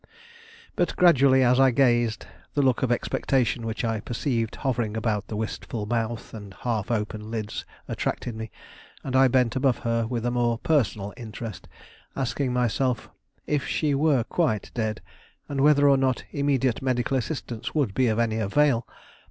But gradually, as I gazed, the look of expectation which I perceived hovering about the wistful mouth and half open lids attracted me, and I bent above her with a more personal interest, asking myself if she were quite dead, and whether or not immediate medical assistance would be of any avail.